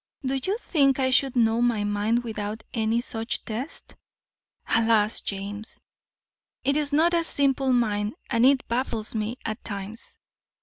Do you think I should know my mind without any such test? Alas! James, it is not a simple mind and it baffles me at times.